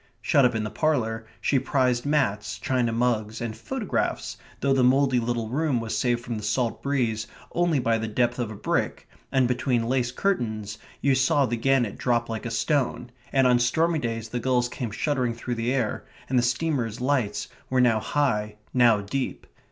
Shut up in the parlour she prized mats, china mugs, and photographs, though the mouldy little room was saved from the salt breeze only by the depth of a brick, and between lace curtains you saw the gannet drop like a stone, and on stormy days the gulls came shuddering through the air, and the steamers' lights were now high, now deep.